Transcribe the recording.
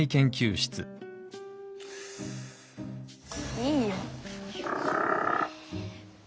いいよ。